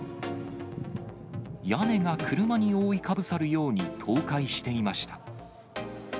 屋根が車に覆いかぶさるように倒壊していました。